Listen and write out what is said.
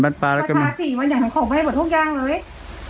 ประคา๔บาทอย่างของให้หมด๖อย่างเลย